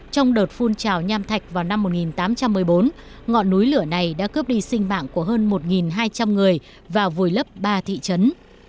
trong đợt phun trào nham thạch vào năm một nghìn tám trăm một mươi bốn ngọn núi lửa này đã cướp đi sinh mạng của hơn một hai trăm linh người và vùi lấp ba thị trấn